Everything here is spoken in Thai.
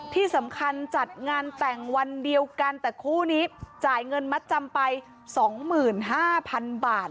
ที่สำคัญจัดงานแต่งวันเดียวกันแต่คู่นี้จ่ายเงินมัดจำไป๒๕๐๐๐บาท